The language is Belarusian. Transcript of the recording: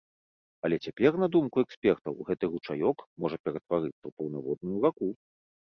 Але цяпер, на думку экспертаў, гэты ручаёк можа ператварыцца ў паўнаводную раку.